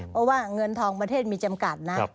เพราะว่าเงินทองประเทศมีจำกัดนะ